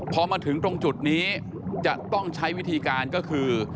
พอมาถึงตรงจุดนี้จะต้องใช้วิธีการก็คือ